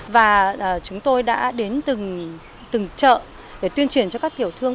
và chúng tôi đã đến từng chợ để tuyên truyền cho các tiểu thương